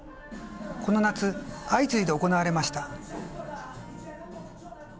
この夏、相次いで行われました。